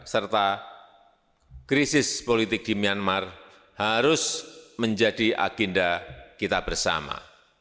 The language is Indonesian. serta krisis politik di myanmar harus menjadi agenda kita bersama